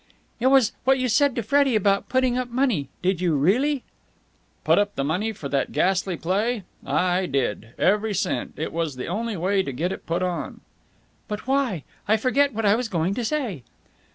"It was what you said to Freddie about putting up money. Did you really?" "Put up the money for that ghastly play? I did. Every cent. It was the only way to get it put on." "But why...? I forget what I was going to say!"